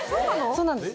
そうなんです